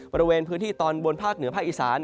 บริเวณพื้นที่ตอนบนภาคเหนือภาคอีสาน